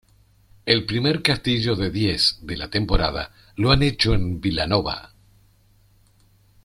El primer castillo de diez de la temporada lo han hecho en Vilanova.